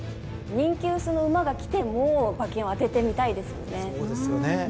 人気薄の馬が来ても馬券を当ててみたいですよね。